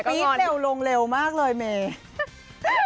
มีสต์เลวลงเร็วมากเลยเมย์